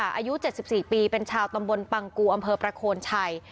อายุ๗๔ปีเป็นชาวตำบลปังกูอำเภอประโคนชัย